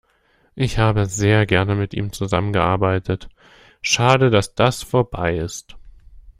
Ich habe sehr gerne mit ihm zusammen gearbeitet. Schade, dass das vorbei ist.